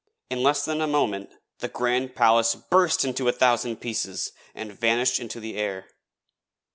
In less than a moment the grand palace burst into a hundred thousand bits, and vanished into the air.